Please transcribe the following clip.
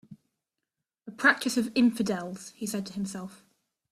"A practice of infidels," he said to himself.